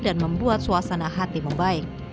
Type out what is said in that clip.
dan membuat suasana hati membaik